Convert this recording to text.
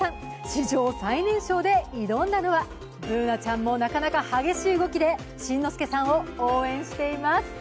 史上最年少で挑んだのはＢｏｏｎａちゃんもなかなか激しい動きで新之助さんを応援しています。